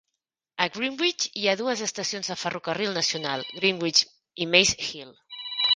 A Greenwich hi ha dues estacions de ferrocarril nacional, Greenwich i Maze Hill.